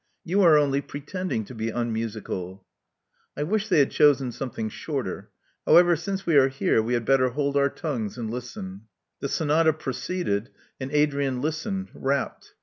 You are only pretending to be unmusical." I wish they had chosen something shorter. How ever, since we are here, we had better hold our tongues and listen. '' The Sonata proceeded; and Adrian listened, rapt.